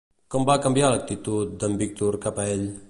Com va canviar l'actitud d'en Víctor cap a ell?